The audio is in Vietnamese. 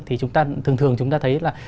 thì thường thường chúng ta thấy là